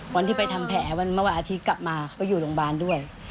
วันที่ไปทำแผลเมื่อวันอาทิตย์กลับมาเขาอยู่โรงพยาบาลด้วย